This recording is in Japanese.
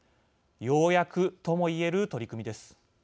ようやくとも言える取り組みです。